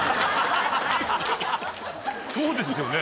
そうですよね。